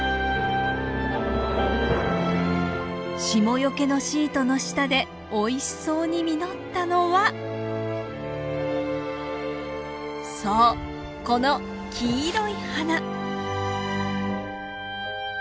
霜よけのシートの下でおいしそうに実ったのはそうこの黄色い花！